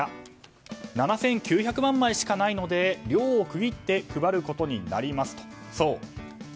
７９００万枚しかないので量を区切って配ることになりますと。